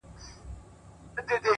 دا خو گراني ستا د حُسن اور دی لمبې کوي